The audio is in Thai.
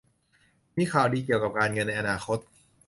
มีข่าวดีเกี่ยวกับการเงินในอนาคต